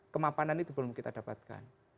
kemapanan itu belum kita dapatkan